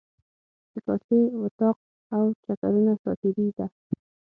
د کاسې، وطاق او چکرونو ساعتیري ده.